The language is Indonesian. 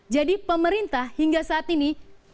jadi pemerintah hingga saat ini